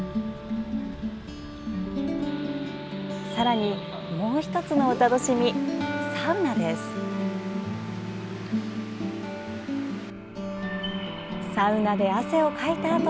さらに、もう１つのお楽しみサウナです。